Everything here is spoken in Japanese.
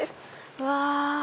うわ！